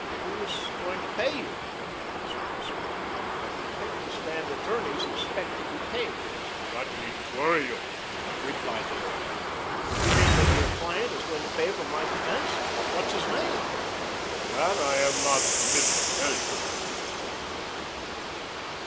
"Who is going to pay you?" he asked with a smile. "I understand attorneys expect to be paid." "That needn't worry you!" replied the lawyer. "You mean that your client is going to pay for my defense? What's his name?" "That I am not permitted to tell you," replied the lawyer.